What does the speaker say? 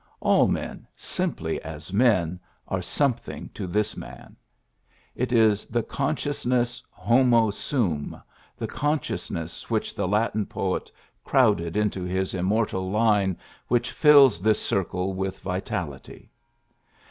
All men, simply as men, are something to this man. It is the consciousness }iomo sum, the consciousness which the Latin poet crowded into his immor tal line, which fills this circle with vi tality.